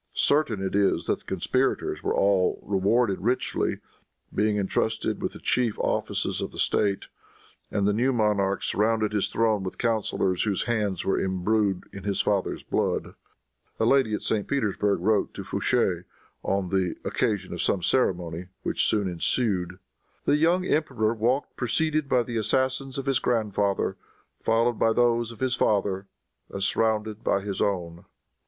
Certain it is that the conspirators were all rewarded richly, by being entrusted with the chief offices of the state; and the new monarch surrounded his throne with counselors whose hands were imbrued in his father's blood. A lady at St. Petersburg wrote to Fouché on the occasion of some ceremony which soon ensued, "The young emperor walked preceded by the assassins of his grandfather, followed by those of his father, and surrounded by his own."